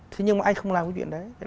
thế nhưng mà anh không làm cái chuyện đấy